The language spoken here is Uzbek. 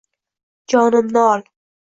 Jonimni ol